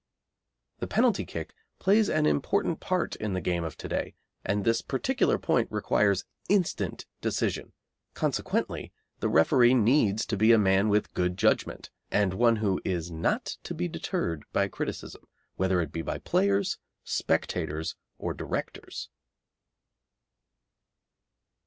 The penalty kick plays an important part in the game of to day, and this particular point requires instant decision, consequently the referee needs to be a man with good judgment, and one who is not to be deterred by criticism, whether it be by players, spectators, or directors.